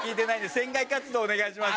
船外活動お願いします。